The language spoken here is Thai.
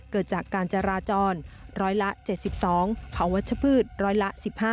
เกิดจากการจราจรร้อยละ๗๒ของวัชพืชร้อยละ๑๕